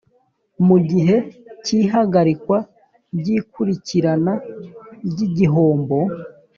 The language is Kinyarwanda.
Mu gihe cy ihagarikwa ry ikurikirana ry igihombo